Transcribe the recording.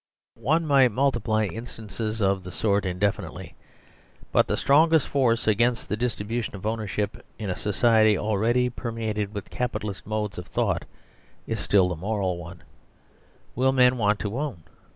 One might multiply instances of the sort indefi nitely, but the strongest force against the distribution of ownership in a society already permeated with Capitalist modes of thought is still the moral one : Will men want to own?